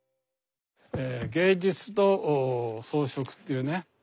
「芸術と装飾」っていうね。